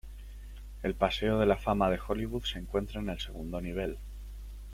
El Paseo de la Fama de Hollywood se encuentra en el segundo nivel.